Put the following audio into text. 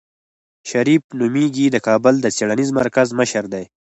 شريف نومېږي د کابل د څېړنيز مرکز مشر دی.